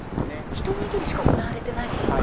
一握りしか行われていないんですか。